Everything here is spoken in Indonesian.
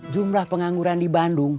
jumlah pengangguran di bandung